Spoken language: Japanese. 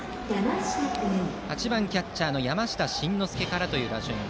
８番キャッチャーの山下真ノ介からの打順。